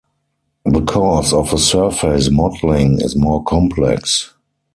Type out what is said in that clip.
The cause of a surface mottling is more complex.